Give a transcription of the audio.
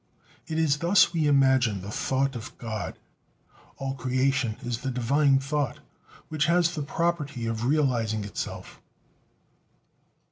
It is thus we imagine the thought of God; all creation is the divine thought, which has the property of realizing itself.